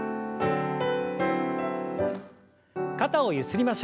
肩をゆすりましょう。